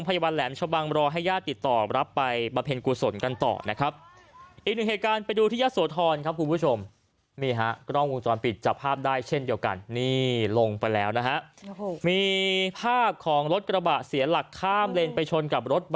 คว่ำเลยค่ะกลิ้งหลายต้นหลบเลยนะคะ